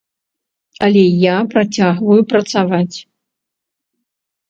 Але я працягваю працаваць.